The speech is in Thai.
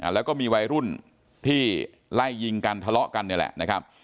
แล้วก็มีวัยรุ่นที่ไล่ยิงกันทะเลาะกันนี่แหละนะครับ